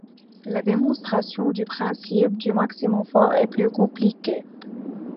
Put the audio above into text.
La démonstration du principe du maximum fort est plus compliquée.